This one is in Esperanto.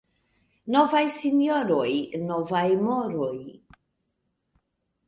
Novaj sinjoroj — novaj moroj.